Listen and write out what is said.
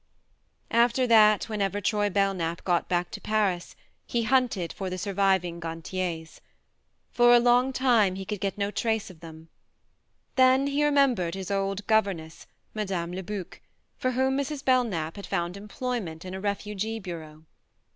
After that, whenever Troy Belknap got back to Paris he hunted for the surviving Gantiers. For a long time he could get no trace of them ; then 72 THE MARNE he remembered his old governess, Mme. Lebuc, for whom Mrs. Belknap had found employment in a refugee bureau.